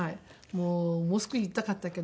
もうもう少しいたかったけど。